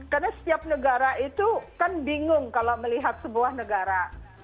karena setiap negara itu kan bingung kalau melihat sebuah negara